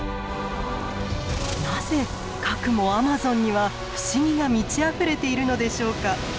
なぜかくもアマゾンには不思議が満ちあふれているのでしょうか？